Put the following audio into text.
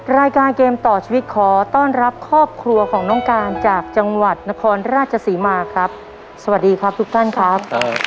รายการเกมต่อชีวิตขอต้อนรับครอบครัวของน้องการจากจังหวัดนครราชศรีมาครับสวัสดีครับทุกท่านครับ